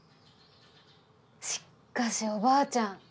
しっかしおばあちゃん